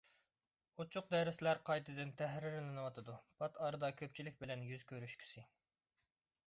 ئوچۇق دەرسلەر قايتىدىن تەھرىرلىنىۋاتىدۇ. پات ئارىدا كۆپچىلىك بىلەن يۈز كۆرۈشكۈسى!